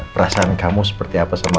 perasaan kamu seperti apa sama